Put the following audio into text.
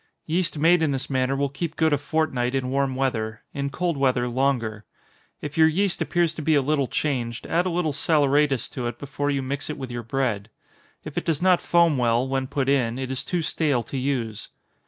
Yeast made in this manner will keep good a fortnight in warm weather; in cold weather longer. If your yeast appears to be a little changed, add a little saleratus to it before you mix it with your bread. If it does not foam well, when put in, it is too stale to use.